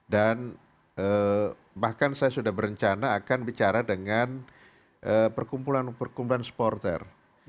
dan bahkan saya sudah berencana akan bicara dengan perkumpulan perkumpulan supporter